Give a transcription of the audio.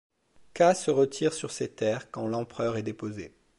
Kha se retire sur ses terres quand l'empereur est déposé.